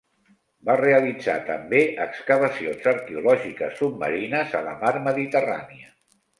Va realitzar també excavacions arqueològiques submarines a la mar Mediterrània.